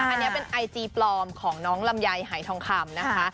อันนี้เป็นไอจีปลอมของน้องลำไยหายทองคำนะคะ